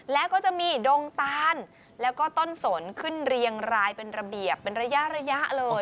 แล้วก็จะมีดงตานแล้วก็ต้นสนขึ้นเรียงรายเป็นระเบียบเป็นระยะเลย